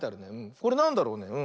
これなんだろうね？